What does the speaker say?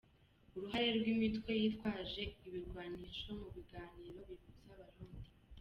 Uruhare rw’imitwe yitwaje ibirwanisho mu biganiro bihuza Abarundi